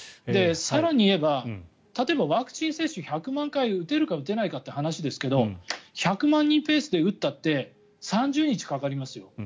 更にいえば例えばワクチン接種１００万回打てるか打てないかという話ですけど１００万人ペースで打ったって３０日かかりますよ。